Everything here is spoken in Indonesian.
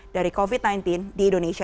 dari covid sembilan belas di indonesia